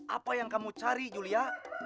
apa yang kamu cari julia